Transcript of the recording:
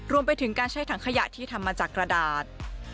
รวมไปถึงการใช้ถังขยะที่ทำมาจากกระดาษ